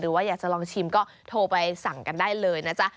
ว่าอยากจะลองชิมก็โทรไปสั่งกันได้เลยนะจ๊ะ